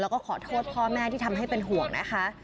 แล้วก็ขอโทษพ่อแม่ที่ทำให้เป็นห่วงนะคะ